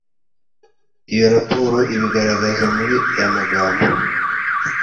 Iyo raporo ibigaragaza muri aya magambo